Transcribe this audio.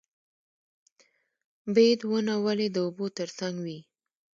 بید ونه ولې د اوبو تر څنګ وي؟